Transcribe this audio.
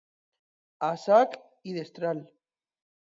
A sac i destral.